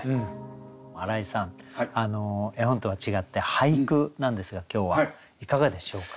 荒井さん絵本とは違って俳句なんですが今日はいかがでしょうか？